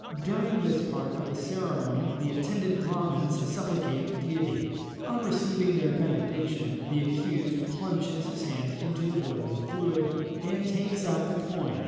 During this part of the ceremony the attendant Brahmins supplicate the Deity. On receiving their benediction, the accused plunges his hand into the boiling fluid, and takes out the coin.